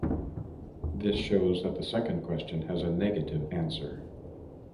This shows that the second question has a negative answer.